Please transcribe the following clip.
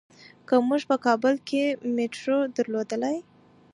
که مونږ په کابل کې مېټرو درلودلای.